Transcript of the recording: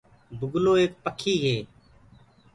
بُگلو ايڪ پکي هي۔